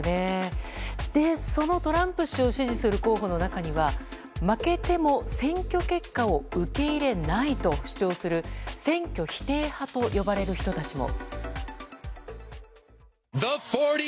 そのトランプ氏を支持する候補の中には負けても選挙結果を受け入れないと主張する選挙否定派と呼ばれる人たちも。